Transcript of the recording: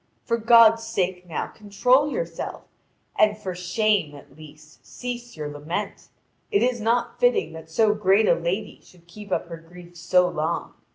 For God's sake now control yourself, and for shame, at least, cease your lament. It is not fitting that so great a lady should keep up her grief so long.